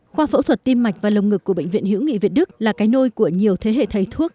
khoa phẫu thuật tim mạch và lồng ngực của bệnh viện hữu nghị việt đức là cái nôi của nhiều thế hệ thầy thuốc